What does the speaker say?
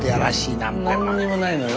何にもないのよ。